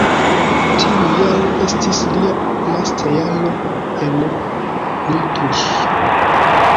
Tiu jaro estis lia lasta jaro en Lotus.